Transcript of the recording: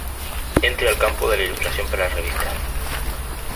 Entre al campo de la ilustración para revistas.